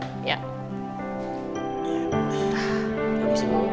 terima kasih bu